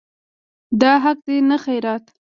دا حق دی نه خیرات.